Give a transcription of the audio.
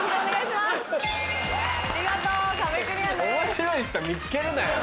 面白い人見つけるなよ！